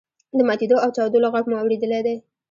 د ماتیدو او چاودلو غږ مو اوریدلی دی.